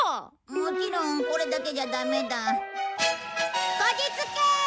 もちろんこれだけじゃダメだ。